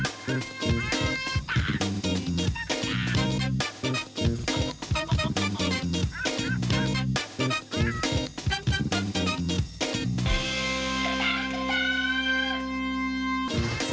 สนุกซันตาลังให้สุด